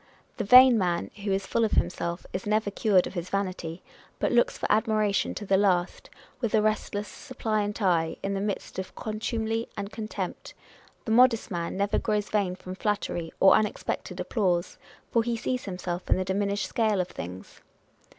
The vain man, who is full of himself, is never cured of his vanity, but looks for admiration to the last, with a restless, suppliant eye, in the midst of contumely and contempt ; the modest man never grows vain from flattery, or unexpected applause, for he sees himself in the diminished scale of other things.